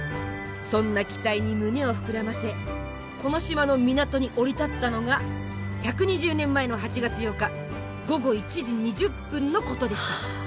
そんな期待に胸を膨らませこの島の港に降り立ったのが１２０年前の８月８日午後１時２０分のことでした。